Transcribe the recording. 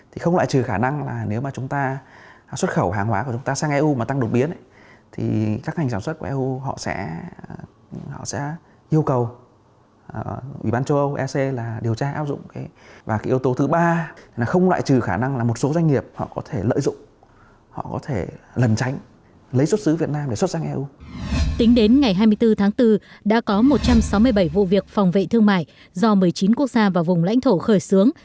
tính đến ngày hai mươi bốn tháng bốn đã có một trăm sáu mươi bảy vụ việc phòng vệ thương mại do một mươi chín quốc gia và vùng lãnh thổ khởi xướng